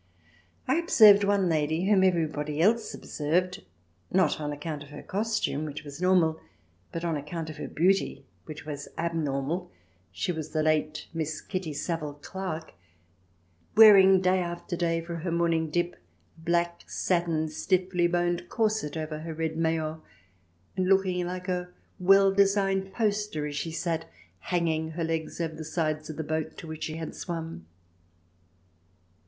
I observed one lady, whom everybody else observed, not on account of her costume, which was normal, CH. IX] CHESTS AND COSTUMES 133 but on account of her beauty, which was abnormal — she was the late Miss Kitty Savile Clarke — wearing, day after day, for her morning dip, a black satin stiffly boned corset over her red maillot, and looking like a well designed poster as she sat hanging her legs over the sides of the boat to which she had swum.